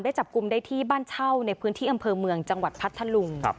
จับกลุ่มได้ที่บ้านเช่าในพื้นที่อำเภอเมืองจังหวัดพัทธลุง